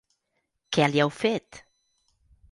Què li heu fet?